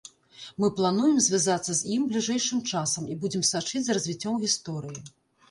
Мы плануем звязацца з ім бліжэйшым часам і будзем сачыць за развіццём гісторыі.